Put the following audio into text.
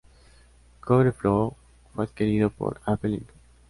Cover Flow fue adquirido por Apple Inc.